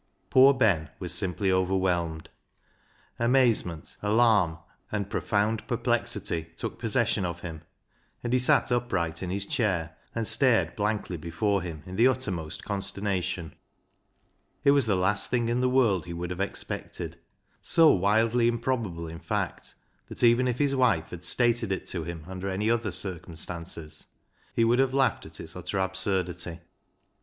Poor Ben was simply overwhelmed. Amaze 55 56 BECKSIDE LIGHTS ment, alarm, and profound perplexity took possession of him, and he sat upright in his chair and stared blankly before him in the uttermost consternation. It was the last thing in the world he would have expected — so wildly improbable, in fact, that if even his wife had stated it to him under any other circumstances he would have laughed at its utter absurdity.